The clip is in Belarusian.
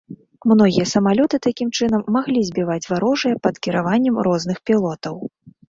Многія самалёты, такім чынам, маглі збіваць варожыя пад кіраваннем розных пілотаў.